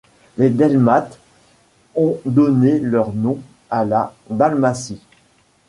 Les Dalmates ont donné leur nom à la Dalmatie.